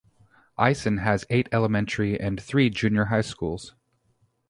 Isen has eight elementary and three junior high schools.